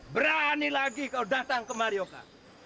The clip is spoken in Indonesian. berani lagi kau datang ke marioka